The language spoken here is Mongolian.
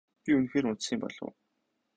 Би үнэхээр унтсан юм болов уу?